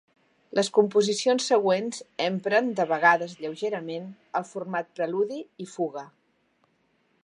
Les composicions següents empren, de vegades lleugerament, el format Preludi-i-Fuga.